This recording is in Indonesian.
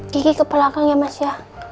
gigi ke belakang ya mas ya